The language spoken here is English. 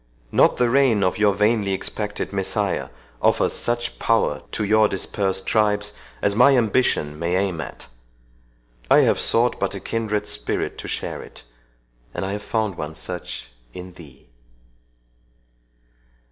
Not the reign of your vainly expected Messiah offers such power to your dispersed tribes as my ambition may aim at. I have sought but a kindred spirit to share it, and I have found such in thee."